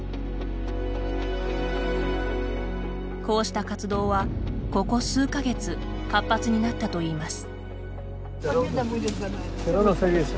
こうした活動はここ数か月活発になったといいます。